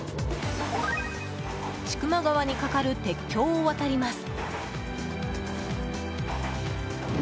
千曲川に架かる鉄橋を渡ります。